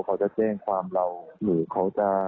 เขาจะแจ้งความเราหรือเขาจะ